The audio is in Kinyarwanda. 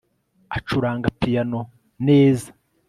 acuranga piyano neza